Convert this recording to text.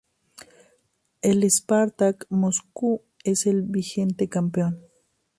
El Spartak Moscú es el vigente campeón.